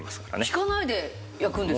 引かないで焼くんですか？